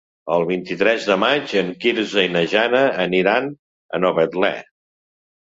El vint-i-tres de maig en Quirze i na Jana aniran a Novetlè.